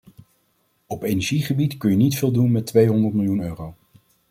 Op energiegebied kun je niet veel doen met tweehonderd miljoen euro.